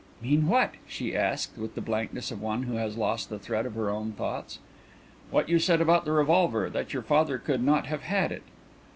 "Mean what?" she asked, with the blankness of one who has lost the thread of her own thoughts. "What you said about the revolver that your father could not have had it?"